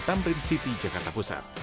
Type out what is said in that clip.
tamrid city jakarta pusat